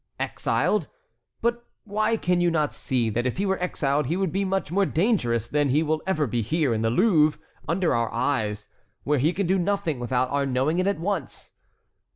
"Exiled? But why can you not see that if he were exiled he would be much more dangerous than he will ever be here, in the Louvre, under our eyes, where he can do nothing without our knowing it at once?"